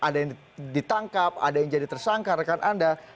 ada yang ditangkap ada yang jadi tersangka rekan anda